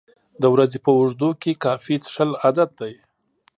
د ورځې په اوږدو کې کافي څښل عادت دی.